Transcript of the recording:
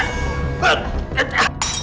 bapak ibu tuh